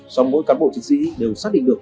sông môi cán bộ chính sĩ đều xác định được